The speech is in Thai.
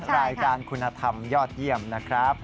รายการคุณธรรมยอดเยี่ยมนะครับ